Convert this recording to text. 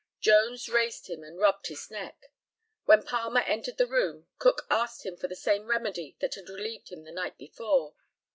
Jones raised him and rubbed his neck. When Palmer entered the room, Cook asked him for the same remedy that had relieved him the night before.